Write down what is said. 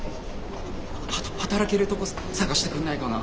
はた働けるとこ探してくんないかな。